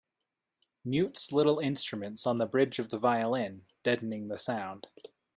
Mutes little instruments on the bridge of the violin, deadening the sound.